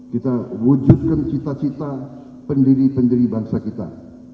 kita wujudkan cita cita pendiri pendiri bangsa kita